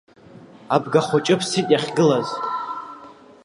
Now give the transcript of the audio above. Абгахәыҷы ԥсит иахьгылаз.